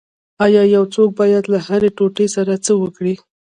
ایا یو څوک باید له هرې ټوټې سره څه وکړي